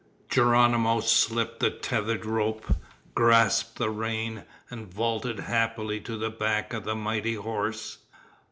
Geronimo slipped the tether rope, grasped the rein, and vaulted happily to the back of the mighty horse.